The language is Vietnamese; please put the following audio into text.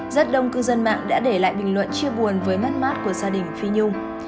rất đông cư dân mạng đã để lại bình luận chia buồn với mất mát của gia đình phi nhung